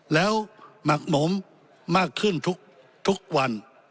แล้วหมักหนมมากขึ้นทุกวัน